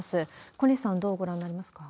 小西さん、どうご覧になりますか？